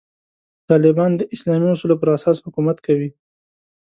طالبان د اسلامي اصولو پر اساس حکومت کوي.